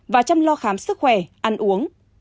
và chăm lo khám sức khỏe ăn uống